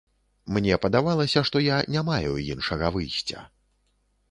Мне падавалася, што я не маю іншага выйсця.